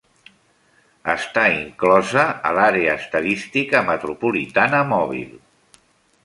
Està inclosa a l'àrea estadística metropolitana mòbil.